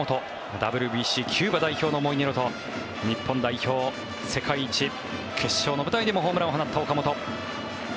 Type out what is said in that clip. ＷＢＣキューバ代表のモイネロと日本代表、世界一決勝の舞台でもホームランを放った岡本。